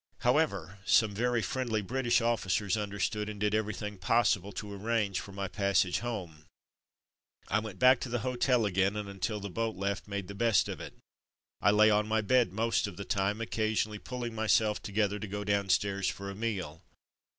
However, some very friendly British officers understood, and did everything possible to arrange for my passage home. I went back to the hotel again and, until the boat left, made the best of it. I lay on my bed most of the time, occasionally pull ing myself together to go downstairs for a meal.